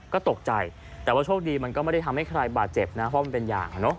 ก็ตกใจแต่ว่าโชคดีมันก็ไม่ได้ทำให้ใครบาดเจ็บนะเพราะมันเป็นอย่าง